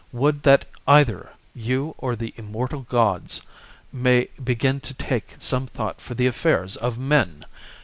Would that either you or the immortal gods may begin to take some thought for the affairs of men!